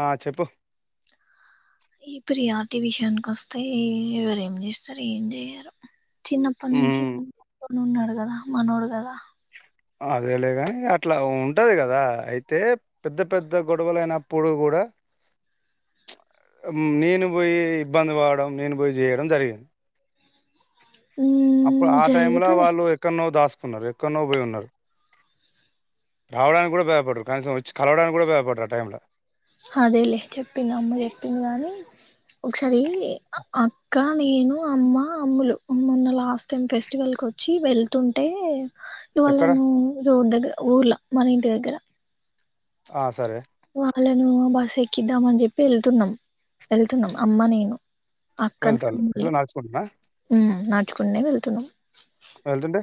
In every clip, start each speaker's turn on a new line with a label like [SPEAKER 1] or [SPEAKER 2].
[SPEAKER 1] ఆ చెప్పు
[SPEAKER 2] ఇప్పుడు ఈ ఆర్టిఫిషియల్ వస్తే ఎవరు ఏం చేస్తారు ఏం చేయరు చిన్నప్పటి నుంచి
[SPEAKER 1] మ్మ్
[SPEAKER 2] ఉన్నాడు కదా మనోడు కదా
[SPEAKER 1] అదేలేగాని అట్లా ఉంటాది కదా అయితే పెద్ద పెద్ద గొడవలుయినప్పుడు కూడా నేను పోయి ఇబ్బంది పడడం నేను పోయి చేయడం జరిగింది అప్పుడు
[SPEAKER 2] ఉమ్,
[SPEAKER 1] ఆ టైమ్ లో
[SPEAKER 2] జరుగుతుంది
[SPEAKER 1] వాళ్ళు ఎక్కడ నువ్వు దాసు న్నారు ఎక్కువనో పోయి ఉన్నారు రావడానికి కూడా భయపడరు కనీసం వచ్చి కలవడానికి కూడా భయపడరు ఆ టైంలో
[SPEAKER 2] అదేలే చెప్పింది అమ్మ చెప్పింది గానీ ఒకసారి ఆ ఇంకా నేను అమ్మ అమ్ములు మొన్న లాస్ట్ టైం ఫెస్టివల్కి వచ్చి వెళ్తుంటే ఇవాళ
[SPEAKER 1] ఎక్కడ
[SPEAKER 2] ను రోడ్ దగ్గర ఊర్లా మనంటి దగర
[SPEAKER 1] ఆ సరే
[SPEAKER 2] వాళ్ళను బస్ ఎక్కిద్దామన్ చెప్పి ఎళ్తున్నాం ఎళ్తున్నాం అమ్మ నేను అక్క
[SPEAKER 1] వెళ్తాళ్ళు ఎట్లా
[SPEAKER 2] [unintelligible]
[SPEAKER 1] నడుచుకుంటున్నా
[SPEAKER 2] ఉమ్ చున్నే వెళ్తున్నాం
[SPEAKER 1] వెళ్తుంటే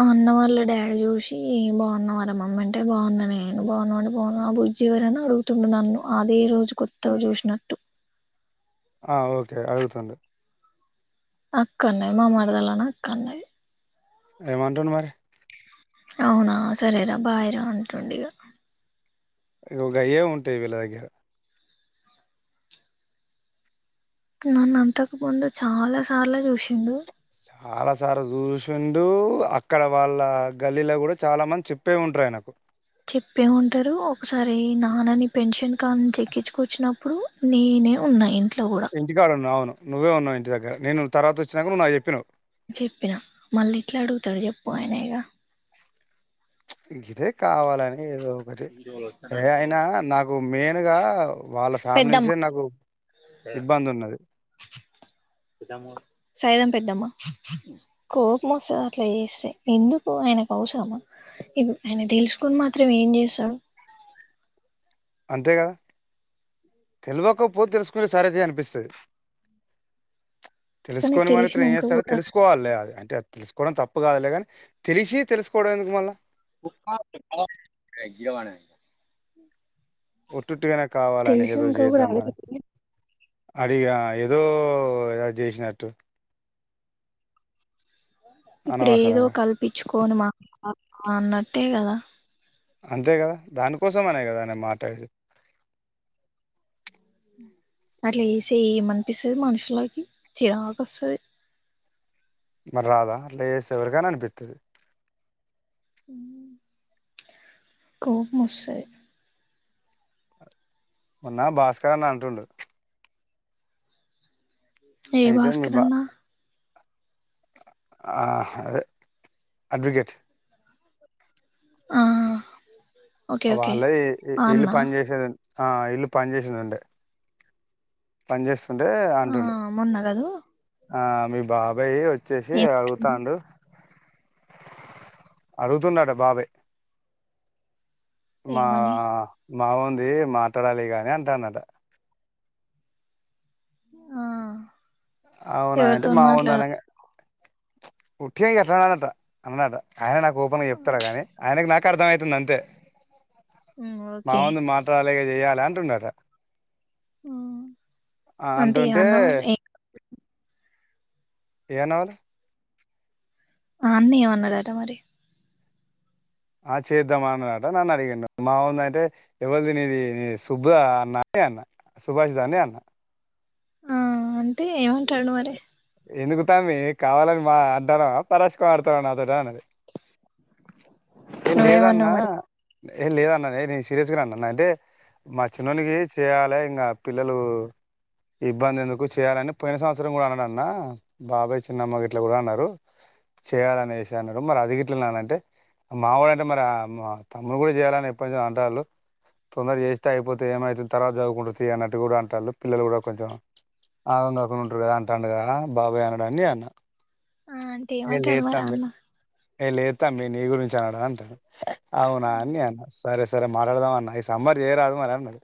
[SPEAKER 2] ఆ అన్న వాళ్ళ డాడీ చూసి బాగున్నవార మమ్మీ అంటే బాగున్నా నేను బాగున్నా అంటే బాగున్నా ఆ బుజ్జి ఎవరని అడుగుతుండు నన్ను అదే రోజు కొత్తగ చూసినట్టు
[SPEAKER 1] ఆ ఓకే అడుగుతండు
[SPEAKER 2] అక్కన్నయి మా మరదలన్ అక్ అన్నాది
[SPEAKER 1] ఏం అంటుండుమరి
[SPEAKER 2] అవునా సరేరా బాయరా ఉంటుండ ఇగ
[SPEAKER 1] యో గయ్యే ఉంటాయి వీళ్ళ దగ్గర
[SPEAKER 2] నన్ను అంతకు ముందు చాలా సార్లు చూసిండు
[SPEAKER 1] చాలా సార్లు చూషిండు అక్కడ వాళ్ళ గల్లీల కూడా చాలా మంది చెప్పే ఉంటర్ ఆయనకు
[SPEAKER 2] చెప్పే ఉంటారు ఒకసారి నాన్నని పెన్షన్ కాడ్చి చెక్కించుకొచ్చినప్పుడు నేనే ఉన్నా ఇ
[SPEAKER 1] ఇంటికాడున్న అవ్ను నువ్వే ఉన్నావు ఇంటి దగ్గ నేను తర్వాత వచ్చినా నువ్వు నాక్ చెప్పినవ్
[SPEAKER 2] చెప్పిన మళ్ళీ ఇట్లా అడుగుతాడ్ చెప్పు ఆయన ఇగ
[SPEAKER 1] [unintelligible] కావాలని ఎ అయినా నాకు మెయిన్గా వాళ్ళ ఫ్యామిలీ
[SPEAKER 2] పెద్దమ్మ
[SPEAKER 1] నుంచే నాకు ఇబ్బంద్ ఉన్నది
[SPEAKER 2] పెద్దమ్మా కోపం వస్తాద్ అట్లా చేస్తే ఎందుకు ఆయనక్ ఆవ్శ్రమ ఇవి ఆయన తెలుసుకొన్ మాత్రం ఏం చేస్తాడు
[SPEAKER 1] అంతే కదా తెల్వకపోత్ తెలుసుకునే సరే తి అనిపిస్తది
[SPEAKER 2] కానీ
[SPEAKER 1] తెలుసుకొని మాత్రం ఏం
[SPEAKER 2] తెలిసినాక
[SPEAKER 1] చేస్తారో
[SPEAKER 2] కూడా
[SPEAKER 1] తెలుసుకోవాలే అది అంటే తెలుస్ కొడం తప్పు కాదులే కాని తెలిసి తెలుసుకోవడం ఎందుకు మళ్ళ
[SPEAKER 2] [unintelligible] ఏయే గిరవానే
[SPEAKER 1] ఒట్టుట్టుగానే కావాలని ఏదో
[SPEAKER 2] తెలిసినాక కూడా
[SPEAKER 1] చేద్దాం
[SPEAKER 2] అడుగు
[SPEAKER 1] అనే అడిగా ఏదో ఏదొ చేసినట్టు
[SPEAKER 2] ఇప్పుడు ఏదో
[SPEAKER 1] అనవసరంగా
[SPEAKER 2] కల్పించ్ కోని మాక్ మాక్ మా అన్నట్టే కదా
[SPEAKER 1] అంతే కదా దానికోసంఅనే గ అనే కదా అని మాట్లాడిస
[SPEAKER 2] అట్లా వసే నిపిస్తుది మనుషులకి చిరాగా వస్తుది
[SPEAKER 1] మర్ తలరాదా అలా ఎవరికనా అనిపిత్తది
[SPEAKER 2] కోపమొస్తాది
[SPEAKER 1] మొన్నా బాస్కర్ అన్నా అంటుండు
[SPEAKER 2] ఏ
[SPEAKER 1] అయితే మీ బా
[SPEAKER 2] భాస్కరన్న
[SPEAKER 1] ఆ అదే అడ్వికట్
[SPEAKER 2] ఆ ఓకే ఓకే
[SPEAKER 1] వాళ్ళయి
[SPEAKER 2] ఆ
[SPEAKER 1] ఇల్లు
[SPEAKER 2] అన్న
[SPEAKER 1] పని చేసేదిం ఆ ఇల్ పని చేసిందింటే పంజస్ ఆంటే
[SPEAKER 2] ఆ
[SPEAKER 1] ఆంటడు
[SPEAKER 2] మొన్న కదూ
[SPEAKER 1] ఆ మీ బాబాయ వచ్చు వచ్చేసి
[SPEAKER 2] ఏమంటుండు
[SPEAKER 1] అడుగుతాండు అడుగుతున్నాట బాబే మా
[SPEAKER 2] ఏమని
[SPEAKER 1] మాగుంది మాట్లాడాలి గాని అంటా అన్నట
[SPEAKER 2] ఆ
[SPEAKER 1] అవునా అంటడి
[SPEAKER 2] ఎవరితోని
[SPEAKER 1] మా
[SPEAKER 2] మాట్లాడ
[SPEAKER 1] ఉందనంగా ఉకేన్ ఆట్టన్నటా అన్నన్నాటా ఆయన నాకు ఓపన్గా చెప్తా కానీ ఆయనకు నా అర్థం అవుతుంది అంతే మా
[SPEAKER 2] ఓకే
[SPEAKER 1] ఒంద మాట అల చేయాలంటండటా ఆ
[SPEAKER 2] అంటే
[SPEAKER 1] అంటుంటే
[SPEAKER 2] అన్న
[SPEAKER 1] ఏనావాల
[SPEAKER 2] ఆ అన్నీ ఏమన్నాడాటా మరి
[SPEAKER 1] ఆ చేద్దామా అన్నట నన్ను అడిగాను మా ఉందంటే ఎవరిది నీది నీ శుబ్భ అన్నని అన్న సుభాషి దా అని అన్న
[SPEAKER 2] టీ ఏమన్ టరను మరి
[SPEAKER 1] ఉంటామి కావాలని మా అంటర పరాశకం ఆడతారు నాతోట అన్నది ఏ
[SPEAKER 2] నువ్వేమన్నావ్
[SPEAKER 1] లేదన్నా
[SPEAKER 2] మరి
[SPEAKER 1] ఏ లేదన్న నేను సీరియస్గా అన్నాను అంటే మా చిన్నకి చేయాలి ఇంకా పిల్లలు ఇబ్బంది ఎందుకు చేయాలని ము పోయిన సంవత్సరం కూడా అన్నాడు అన్న బాబాయ్ చిన్నమ్మ గ ఇట్లా కూడా అన్నారు చేయాలని వసి అన్నాడు మరి అది గట్లన్న అంటే మా వాళ్ళ అంటే మరి మా తమ్మును కూడా చేయాలని ఎంచం అంటళ్ళు తొందర చేస్తే అయిపోతే ఏమవుతుంది తర్వాత చదువుకుంటుంది అన్నట్టు కూడా అంటారుథి పిల్లలు కూడా కొంచెం ఆనందం ఉంటారు కదా అంట అండగా బాబాయ్ అనడని అన్న
[SPEAKER 2] ఆ అంటే
[SPEAKER 1] ఏ
[SPEAKER 2] ఏమంటాడు
[SPEAKER 1] లేదు
[SPEAKER 2] మ
[SPEAKER 1] తమ్మి
[SPEAKER 2] అన్న
[SPEAKER 1] ఏ లేస్తాం మీ నీ గురించి అన్నాడా అంటాను అవునా అన్యనా సరేస్ సే మరాలాడుడిన్నా ఈ సమ్ర్ చేయరాదు మడున్నాది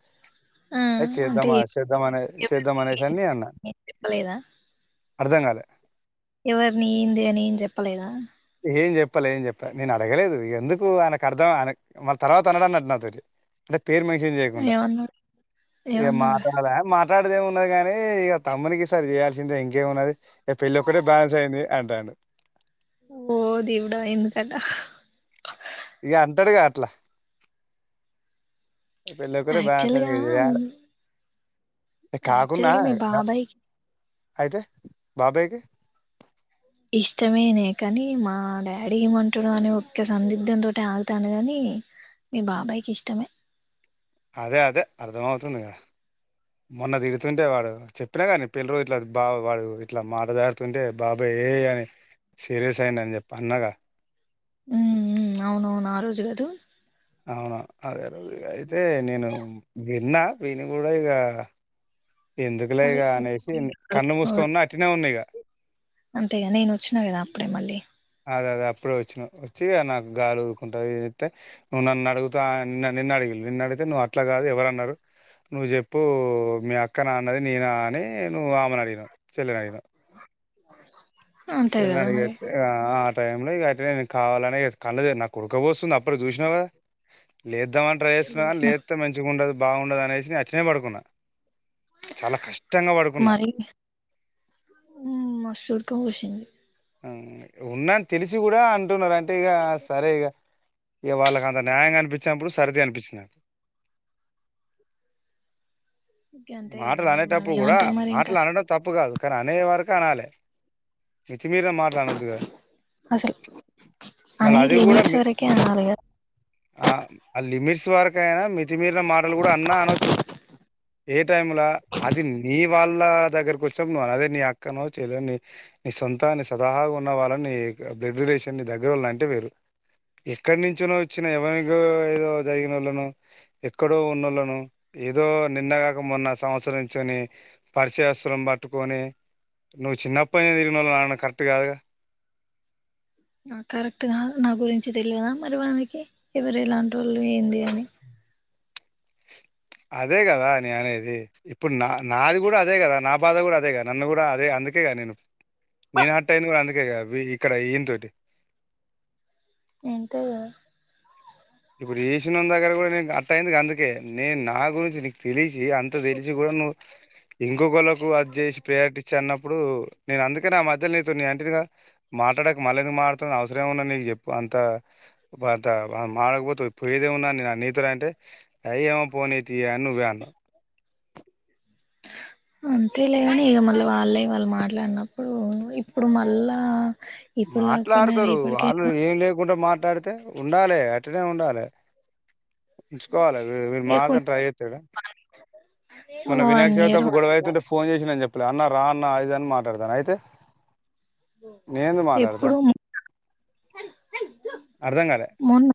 [SPEAKER 2] ఆ
[SPEAKER 1] అ
[SPEAKER 2] అంటే
[SPEAKER 1] చేద్దామా చేద్దామనే
[SPEAKER 2] ఏం
[SPEAKER 1] చేద్దామ అనేదాన్ని అన్న
[SPEAKER 2] చెప్పలేదా
[SPEAKER 1] అర్ధం కాలే
[SPEAKER 2] ఎవరిని ఏంది అని ఏం చెప్పలేదా
[SPEAKER 1] చెప్పలే ఏం చెప్ప నేను అడగలేదు ఎందుకు ఆనకు అర్థం ఆన మళ్న తర్వాత అనడన్నట్టు నా త అంటే పేరు మనుష్యయం చేయకుండ
[SPEAKER 2] ఏమన్నాడు
[SPEAKER 1] ఏ మాట
[SPEAKER 2] ఏమన్నాడు
[SPEAKER 1] మాట మాట్లాడదే ఉన్నది కాని ఇక తమ్మునికి సర చేయాల్సిందే ఇంకే ఉన్నది పెళ్లి ఒక్కడే బ్యెన్స్ అయంది అంటాడు
[SPEAKER 2] ఓ దీవుడా ఎందుకంట
[SPEAKER 1] ఇక అంటాడుగా అట్లా పళ్ల కూడా కూడా బాసరి
[SPEAKER 2] యాక్చువల్గా
[SPEAKER 1] కాకుడా
[SPEAKER 2] యాక్చువల్గా మీ బాబాయ్కి
[SPEAKER 1] అయితే బాయకి
[SPEAKER 2] ఇష్టమేనే కానీ మా డాడీ ఏమంటుడం అని ఒ సందిగ్ధం తో ఆలుతాను కాగానీ మీ బాబాయ్కి ఇష్టమే
[SPEAKER 1] దే అదే అర్థ అవుతుందిగా మొన్న తిడుతుంటే వాడు చెప్పినాగా నీ పిల్లలు ఇట్లా బాబ వాడు ఇట్లా మాటదారుతుంటే బాబాయే అని సీరియస్ అయింది అని చెప్పి అన్నాగా
[SPEAKER 2] అవునవును ఆ రోజు కాదు
[SPEAKER 1] అవునా అదే అయితే నేను విన్నా విని కూడాడ ఇకా
[SPEAKER 2] అదే
[SPEAKER 1] కన్ను మూసుకొని అట్టినే ఉన్నా ఇక
[SPEAKER 2] అంతేగా నేను వచ్చినా కదా అప్పుడే మళ్ళీ
[SPEAKER 1] అదే అదే అప్పుడే వచ్చిన వచ్చి నాకు గాలిఊకుంటుే నువ్వు నన్ను అడుగుతా నిన్న అడిగి నిన్న అడిగితే నువ్వు అట్లా కాదు ఎవర అన్నారు నువ్వు చెప్పు మీ అక్క నా అన్నది నేనా అని నువ్వు అడి చెల్ అడిన
[SPEAKER 2] అంతే కదా మరి
[SPEAKER 1] చిల్డిగా ఆ టైమ్ లో ఇగ అ నేను కావాలనే కళ్ది నాకు కుడకబస్తుంది అప్ ఇపుడు చూస్నకధ లేదు ఇదేం అనీ ట్రై చేస్తున గానీ
[SPEAKER 2] చూసిన
[SPEAKER 1] లిప్త మంచిగా ఉండదు బాగుండదు అనేసి గట్లనేపడుకున్నాను చాలా కష్టంగా పడుకున్నా
[SPEAKER 2] మరి కూసింది
[SPEAKER 1] హు ఉన్నాని తెలిసి కూడా అంటున్నారు అంట్ గా సరే ఈగ ఇగ వాళ్ళకి అంత న్యాయంగా అనిపించినప్పుడు సరిది అనిపించినకు
[SPEAKER 2] అంతే కదా
[SPEAKER 1] మాటలు
[SPEAKER 2] మరి మనం
[SPEAKER 1] అనేటప్పుడు కూడా
[SPEAKER 2] ఏమంటాం మరి ఇంకా
[SPEAKER 1] మాటలు అనడం తప్పు కాదు క్క అనే వరకు అనాలి మర మాట్లానొద్దు కదా
[SPEAKER 2] అసలు
[SPEAKER 1] మళ్ళీ
[SPEAKER 2] అని
[SPEAKER 1] అది కూడా
[SPEAKER 2] లిమిట్స్ వరకే అనాలి కదా
[SPEAKER 1] ఆ లిమిట్స్ వరకయినా మితిమీరిల మాటలు కూడా అన్నా అనొచ్చు ఏ టైంలా అది నీ వాళ్ళ దగ్గరకు వచిన్నపుడు అనాలి అదే నీ అక్కనో చెల్లినో నీ సొంత మొత్తాన్ని సతహాగా ఉన్న వాళ్ళని బ్లడ్ రిలేషన్ ని దగ్గర వోళ్ళ అంటే వేరు ఎక్కడి నుంచోనో వచ్చిన ఎవరి ఏదో జరిగిన వాళ్ళను ఎక్కడో ఉన్నోళ్ళను ఏదో నిన్నగాక మొన్న సంవత్సరం నుంచొని పరిచయస్తుం బట్ పట్టుకనే నువ్వు చిన్నప్పందిరికు న
[SPEAKER 2] అ కరెక్ట్ కాదు నాగురించ్ మంచి తెలియదా మరి వానకి ఎవరు ఎలాంటి వోళ్ళు ఏంది అని
[SPEAKER 1] అదే కదా నేను అనేది ఇప్పుడు నా నాది కూడా అదే కదా నా బాధ కూడా అదే కదా నన్ను కూడా అదే అందుకే కద నేను నేను హట్ అయింది కూడా అందుకేద ఇక్కడ ఈన తోటి
[SPEAKER 2] ఏంటో మీకు కదా
[SPEAKER 1] ఇప్పుడు ఈశన్ నో దగ్గర కూడా అట్ట అయింది అన్ కే నేన్ నా గురించి నీకు తెలిసి అంత తెలిసి కూడా, నువ్వు ఇంకొకళకు అది చేసి ప్రేయారిటీవచ్చా అన్నప్పుడు, నేను అందుకనే ఆ మధ్యలో నీతో నే అంటేను గా మాట్లాడకు మళ్ళీ ఎందుకు మాట్లాడుతున్నావ్ అవసరం ఏ ఉన్నా నీకు చెప్పు అంత పత అ ఆగబోతు పోయేదేముంన్నీ నన్నీ కుతుర్ అంటే ఆయ్ ఏమో పోనీ తీ అని నువే అన్నావ్
[SPEAKER 2] అంతే లేగాని ఇక మళ్ళీ వాళ్ళే వాళ్ళు మాట్లాడినప్పుడు ఇప్పుడు మళ్ళా ఇప్పుడు కాకపోయినా
[SPEAKER 1] మాట్లాడతరు
[SPEAKER 2] రేపటికైనా
[SPEAKER 1] వాళ్ళు
[SPEAKER 2] కూడా
[SPEAKER 1] ఏం లేకుండా మాట్లాడితే ఉండాలే అట్టనే ఉండాలే ఉంచుకోవాలే వీ వీర్
[SPEAKER 2] ఇక
[SPEAKER 1] మారతాను కి ట్రై
[SPEAKER 2] కొంచెం
[SPEAKER 1] చెత్తడే మొన్న వినాయక
[SPEAKER 2] వన్
[SPEAKER 1] చవితే
[SPEAKER 2] ఇయర్
[SPEAKER 1] అప్పుడు
[SPEAKER 2] వన్
[SPEAKER 1] గొడవ
[SPEAKER 2] అండ్
[SPEAKER 1] అయితుంటే
[SPEAKER 2] హాఫ్
[SPEAKER 1] ఫోన్ చేసింది అన్ చెప్ ఇప్పుడు అన్న రా అన్న ఆది ఇది అని మాట్లాడతాడు అయితే నేనేందుకు మాట్లాడతా
[SPEAKER 2] ఎప్పుడు
[SPEAKER 1] అర్థం కాలే
[SPEAKER 2] మొన్న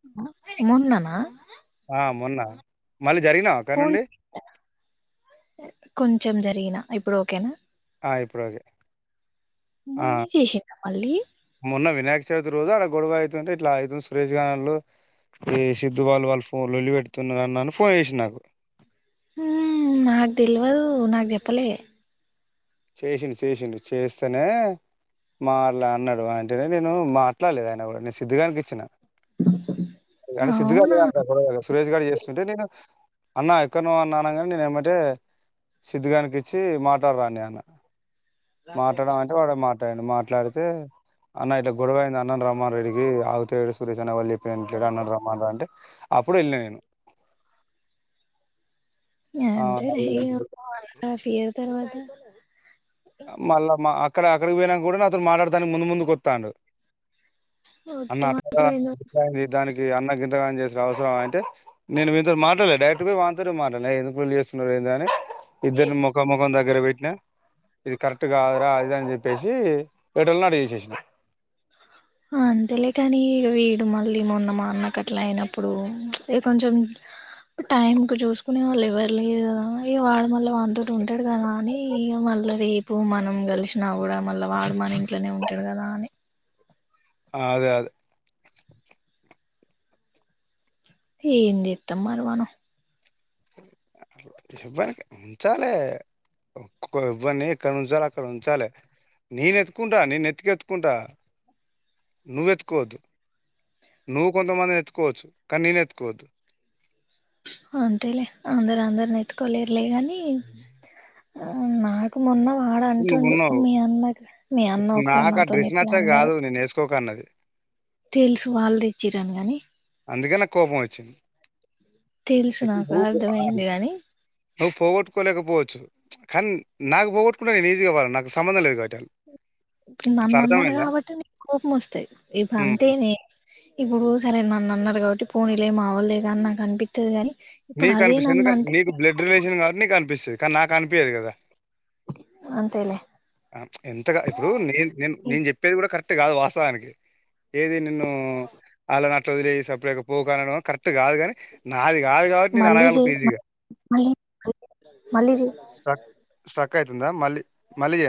[SPEAKER 2] మొన్ననా
[SPEAKER 1] ఆ మొన్న మళ్ళీ జరిగినావ అక్కడ
[SPEAKER 2] ఫోన్
[SPEAKER 1] నుండి
[SPEAKER 2] సరేనా ఇప్పుడు ఓకేనా
[SPEAKER 1] ఆ ఇప్పుడు ఓకే ఆ,
[SPEAKER 2] మున్ని చేసిన్నా మళ్ళీ
[SPEAKER 1] మొన్న వినాయక చవితి రోజు అడ గొడవ అయితుంటే ఇట్లా సురేష్ గానోళ్ళు, ఈ సిద్ధూ వాళ్ళు వాళ్ళు ఫో లోళ్లి పెడుతున్నర్ న్నని ఫోన్ చేసిన్నారు
[SPEAKER 2] ఊమ్ నాకు తెలివదు నాకు చెప్పలే
[SPEAKER 1] చేసిండు చేసిండు చేస్తేనే మాట్లాడినాడు అంటేనే నేను మాట్లాడలేదు ఆయన కూడా నేను సిద్ధు గానికి ఇచ్చిన కానీ సిద్ధుగాడు
[SPEAKER 2] అవునా
[SPEAKER 1] లేడంట సురేష్ గాడు చేస్తుంటే నేను అన్న ఎక్కడ నువ్వు అనగానే నేన్ ఏమ్మటే సిద్ధు గానికి ఇచ్చి మాట్లాడరా అని అన్నా మాట్లాడమంటే అంటే వాడు మాట్లాడిండు, మాట్లాడితే అన్న ఇట్లా గొడవ అయింది, అన్నన్ రమ్మన్ రా ఈడీకి ఆగుతలేడు, సురేష్ అన్న వాళ్ళు చెప్పనా వినట్లేదు అన్న న్ రమ్మన్ రా అంటే అప్పుడు వెళ్ళినా నేను ఆ అది
[SPEAKER 2] అంతేలే [inaudible] తర్వాత
[SPEAKER 1] మళ్ళా మా అక్కడ అక్కడికి పోయినా కూడా నాతోను మాట్లాడతానికి ముందు ముందు కొత్తండు అన్న
[SPEAKER 2] వత్తే
[SPEAKER 1] అ
[SPEAKER 2] మాత్రం ఎందు
[SPEAKER 1] [inaudible] దాని ఇ అన్నకి ఇంతగానం చేసిరు అవసరమా అంటే, నేను వీనితో మాట్లాడలే డైరెక్ట్గా వానితోనే మాట్లాడిన, ఎందుకు లొల్లి చేస్తున్నారు ఏంది అని ఇద్దరిని ముఖ ముఖామ్ దగ్గర బె డ ఇది కరెక్ట్ కాదురా ఆది ఇది అని చెప్పేసి ఎటిల్ నీ అట్ చేేసేసిన
[SPEAKER 2] అంతేలే కాని ఇక వీడు మళ్ళీ మొన్న మా అన్నకట్లా అయినప్పుడు, ఇక కొంచెం టైం కు చూసుకునే వాళ్ళు ఎవరు లేర్ కదా, ఇక వాడు మళ్ళీ వాడితోటి ఉంటాడు, కదా అని ఇక మళ్ళా రేపు మనం కలిసినా కూడా మళ్ళా వాడు మన ఇంట్లనే ఉంటాడు కదా అని.
[SPEAKER 1] ఆ అదే అదే
[SPEAKER 2] ఏం చెత్తం మరి మనం
[SPEAKER 1] ఇవ్వన్ ఉంచాలే ఒకొ ఎవ్వని ఎక్కడ ఉంచాలే, అక్కడ ఉంచాలే, నేనెతుకుంటా నేన్ నేత్తుకెత్తుకుంటా నువ్వెత్తుకోవద్దు నువ్వు కొంతమంది ఎత్తుకోవచ్చు కానీ నేను ఎత్తుకోవద్దు
[SPEAKER 2] అంతేలే అందరు అందరిని ఎత్కోలే లేగాని ఆ నాకు మొన్న వాడు
[SPEAKER 1] ఇప్పుడు నువ్వు
[SPEAKER 2] అంటుండు
[SPEAKER 1] ఉన్నావు
[SPEAKER 2] మీ అన్న మీ అన్న
[SPEAKER 1] ఇప్పుడు
[SPEAKER 2] ఒకసారి
[SPEAKER 1] నాకు ఆ
[SPEAKER 2] నాతో
[SPEAKER 1] డ్రెస్
[SPEAKER 2] ఇట్లా
[SPEAKER 1] నచ్చక
[SPEAKER 2] అన్నాడు
[SPEAKER 1] కాదు నేను వేసుకోక అన్నది
[SPEAKER 2] తెలుసు వాళ్ళు తెచ్చిరాని గాని
[SPEAKER 1] అందుకే నాకు కోపం వచ్చింది.
[SPEAKER 2] తెలుసు నాకు అర్థమయింది గానీ
[SPEAKER 1] నువ్ ఫోగట్ కోలేకపోవచ్చు. కానీ నాకు పోవ్ కూన్న ఈజీగా వాళ్ళన్ నాకు సంబందం లేదు. కాబ్బటి
[SPEAKER 2] నాన్నన్నది కాబట్టి నీ కోపం వస్తాయి. ఇప్పుడు
[SPEAKER 1] ఉమ్.
[SPEAKER 2] అంతేనే ఇప్పుడు సరే నాన్నన్నర్ కాబట్టి పోనీలే మావాలెగా అని నాకు అనిపితది గాని ఇప్పుడు
[SPEAKER 1] నీకు
[SPEAKER 2] అదే
[SPEAKER 1] అనిపిస్తది.
[SPEAKER 2] నన్ను
[SPEAKER 1] ఎందుకని
[SPEAKER 2] అంటే
[SPEAKER 1] నీ బ్లడ్ రిలేషన్ కాబట్టి నీ అనిపిస్తది. కానీ నాక్ కనిపియదు కదా
[SPEAKER 2] అంతేలే
[SPEAKER 1] ఎంతగా ఇప్పుడు నేను నేను నేను చెప్పేది కూడా కరెక్ట్ కాదు వాస్తవానికి ఏది న్ను అలానా వదిలే సప్లై పోక్ అనడం కరెక్ట్ కాదు కానీ నాది. కాదు కాబట్టి నేను
[SPEAKER 2] మళ్ళీ
[SPEAKER 1] అనగాలుగుత
[SPEAKER 2] చెయ్
[SPEAKER 1] ఈజీగా
[SPEAKER 2] మళ్ళీ మళ్ళీ చెయ్
[SPEAKER 1] స్టాక్ స్టాక్ అయితుంద మల్లి మల్లి జేయల్